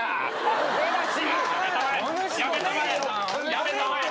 やめたまえ！